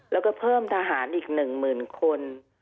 แล้วก็เพิ่มทหารอีก๑๐๐๐คน